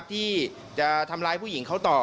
ที่จะทำร้ายผู้หญิงเขาต่อ